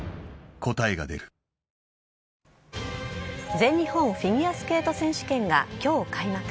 全日本フィギュアスケート選手権が今日開幕。